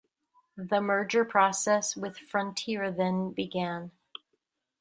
The merger process with Frontier then began.